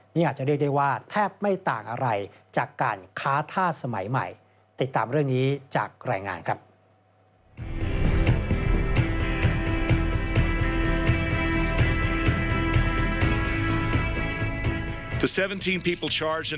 นี่อาจจะเรียกได้ว่าแทบไม่ต่างอะไรจากการค้าทาสมัยใหม่